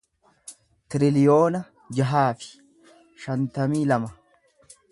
tiriliyoona jaha fi shantamii lama